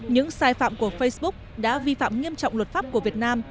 những sai phạm của facebook đã vi phạm nghiêm trọng luật pháp của việt nam